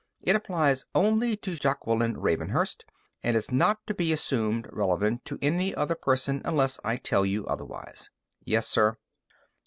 It applies only to Jaqueline Ravenhurst, and is not to be assumed relevant to any other person unless I tell you otherwise." "Yes, sir."